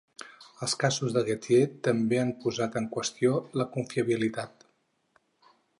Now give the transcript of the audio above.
Els casos de Gettier també han posat en qüestió la confiabilitat.